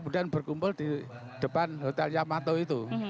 dia mengumpul di depan hotel yamato itu